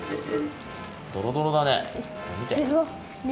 ドロドロだね。